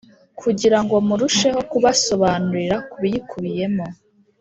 kugira ngo murusheho kubasobanurira ku biyikubiyemo.